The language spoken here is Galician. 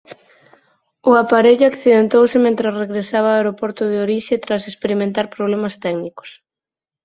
O aparello accidentouse mentres regresaba ao aeroporto de orixe tras experimentar problemas técnicos.